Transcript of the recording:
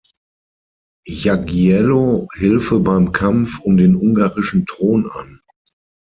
Jagiełło Hilfe beim Kampf um den ungarischen Thron an.